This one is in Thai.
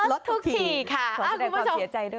ลดทุกทีค่ะ